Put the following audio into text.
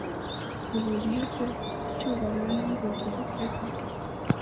Ubu irihe pe icyubahiro ninzozi gute koko